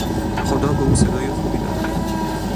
خدا به او صدای خوبی داده بود.